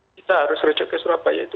kita harus rujuk ke surabaya itu